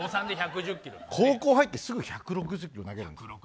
高校入ってすぐ１６０キロ投げる。